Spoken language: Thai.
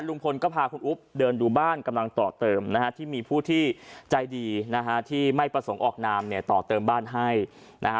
ลุงพลก็พาคุณอุ๊บเดินดูบ้านกำลังต่อเติมนะฮะที่มีผู้ที่ใจดีนะฮะที่ไม่ประสงค์ออกนามเนี่ยต่อเติมบ้านให้นะฮะ